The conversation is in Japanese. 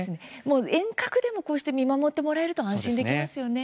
遠隔でも見守ってもらえると安心できますよね。